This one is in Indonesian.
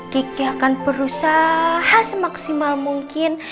kiki akan berusaha semaksimal mungkin